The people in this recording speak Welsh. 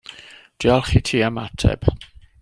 Diolch i ti am ateb.